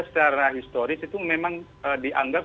secara historis itu memang dianggap